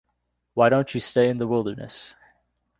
Why don't you stay in the wilderness?